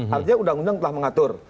artinya undang undang telah mengatur